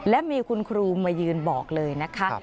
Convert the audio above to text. และมีคุณครูมายืนบอกเลยนะคะ